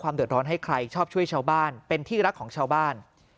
เดือดร้อนให้ใครชอบช่วยชาวบ้านเป็นที่รักของชาวบ้าน